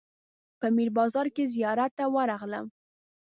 په میر بازار کې زیارت ته ورغلم.